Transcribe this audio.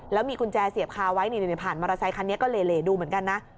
แล้วมีกุญแจเสียบคาไว้ผ่านมอเตอร์ไซคันนี้ก็เหลดูเหมือนกันนะ